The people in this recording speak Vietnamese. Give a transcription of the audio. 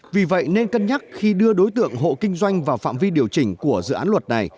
vì vậy nên cân nhắc khi đưa đối tượng hộ kinh doanh vào phạm vi điều chỉnh của dự án luật này